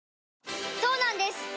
そうなんです